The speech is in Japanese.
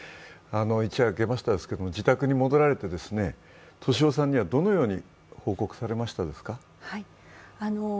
一夜明けましたけど、自宅に戻られて俊夫さんにはどのように報告されましたか？